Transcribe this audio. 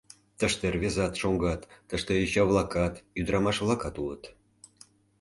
Тыште рвезат, шоҥгат, тыште йоча-влакат, ӱдырамаш-влакат улыт.